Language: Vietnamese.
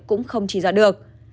cũng không chỉ dọa được